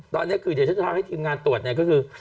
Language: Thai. ตอนนี้คือเดี๋ยวฉันจะทำให้ทีมงานตรวจเนี่ยก็คือ